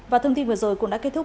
và thông tin vừa rồi cũng đã kết thúc